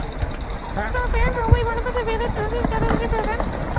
After appearing on Broadway, Bulifant appeared in numerous television programs.